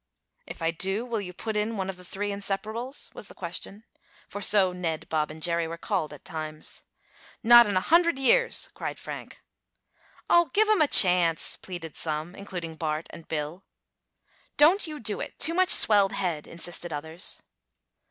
"If I do, will you put in one of the three inseparables?" was the question, for so Ned, Bob and Jerry were called at times. "Not in a hundred years!" cried Frank. "Oh, give 'em a chance!" pleaded some, including Bart and Bill. "Don't you do it! Too much swelled head!" insisted others.